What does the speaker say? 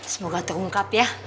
semoga terungkap ya